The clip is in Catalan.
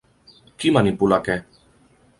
Qui manipula què?